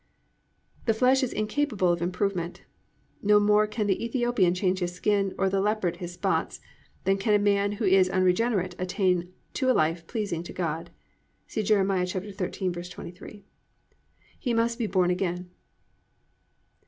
The flesh is incapable of improvement. No more "can the Ethiopian change his skin, or the leopard his spots" than can a man who is unregenerate attain to a life pleasing to God. (See Jer. 13:23.) He must be born again.